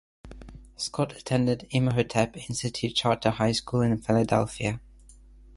Scott attended Imhotep Institute Charter High School in Philadelphia.